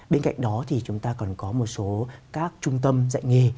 bên cạnh đó thì chúng ta còn có một số các trung tâm dạy nghề